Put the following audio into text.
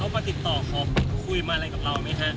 มาติดต่อเคยมากับเรามีคะ